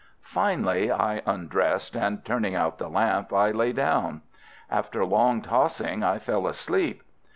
Finally I undressed, and, turning out the lamp, I lay down. After long tossing I fell asleep.